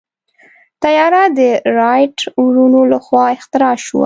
طیاره د رائټ وروڼو لخوا اختراع شوه.